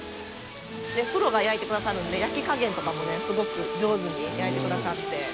「プロが焼いてくださるので焼き加減とかもねすごく上手に焼いてくださって」